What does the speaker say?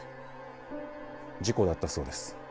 事故だったそうです。